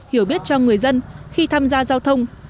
hiểu biết cho người dân khi tham gia giao thông